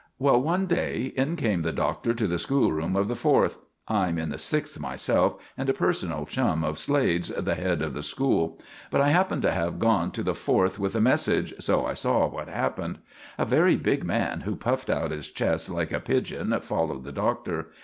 Well, one day in came the Doctor to the school room of the Fourth. I'm in the Sixth myself, and a personal chum of Slade's, the head of the school; but I happened to have gone to the Fourth with a message, so I saw what happened. A very big man who puffed out his chest like a pigeon followed the Doctor.